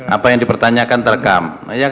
apa yang dipertanyakan terekam